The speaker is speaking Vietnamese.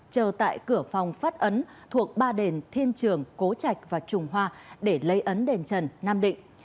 chờ tại cửa phòng phát ấn thuộc ba đền thiên trường cố trạch và trùng hoa để lấy ấn đền trần nam định